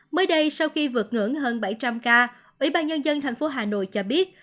mới đây sau khi vượt ngưỡng hơn bảy trăm linh ca ủy ban nhân dân tp hcm cho biết